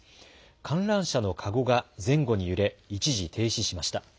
観覧車のかごが揺れ一時停止しました。